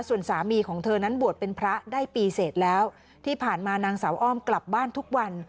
ส่วนสามีของเธอนั้นบวชเป็นพระได้ปีเสร็จแล้วที่ผ่านมานางสาวอ้อมกลับบ้านทุกวัน